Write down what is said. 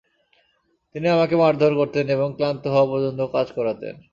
তিনি আমাকে মারধর করতেন এবং ক্লান্ত হওয়া পর্যন্ত কাজ করাতেন।